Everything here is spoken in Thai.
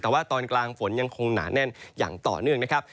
แต่ว่าตอนกลางฝนยังคงหนาแน่นอย่างต่อเนื่องนะครับ